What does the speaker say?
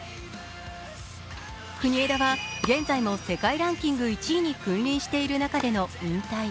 国枝は現在も世界ランキング１位に君臨している中での引退。